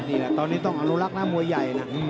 นี่แหละตอนนี้ต้องอนุรักษ์นะมวยใหญ่นะ